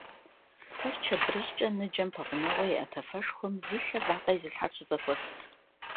Тэрч адрыщӀкӀэ ныджэм пэгъунэгъуу иӀэ тафэшхуэм зи лъэ вакъэ изылъхьэр щызэхуэсат.